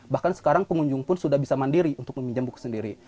bahkan sekarang pengunjung pun sudah bisa mandiri untuk meminjam buku sendiri